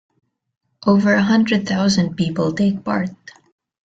Over a hundred thousand people take part.